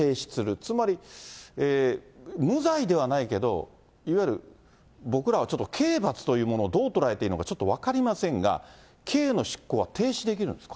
つまり無罪ではないけど、いわゆる、僕らはちょっと刑罰というものをどう捉えていいのか、ちょっと分かりませんが、刑の執行は停止できるんですか。